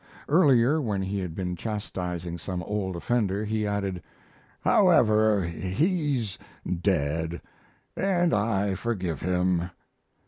Earlier, when he had been chastising some old offender, he added, "However, he's dead, and I forgive him."